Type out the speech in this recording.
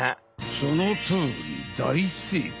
そのとおり大正解！